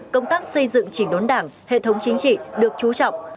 công tác xây dựng chỉnh đốn đảng hệ thống chính trị được chú trọng